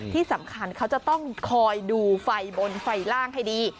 ที่สำคัญเขาจะต้องคอยดูไฟบนไฟล่างให้ดี